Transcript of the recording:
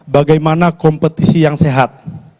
bagaimana kompetisi yang sehat